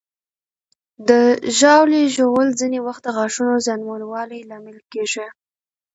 د ژاولې ژوول ځینې وخت د غاښونو زیانمنوالي لامل کېږي.